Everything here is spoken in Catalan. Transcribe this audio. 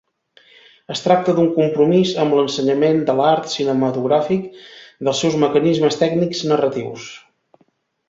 Es tracta d'un compromís amb l'ensenyament de l'art cinematogràfic, dels seus mecanismes tècnics narratius.